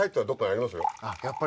ありますよ。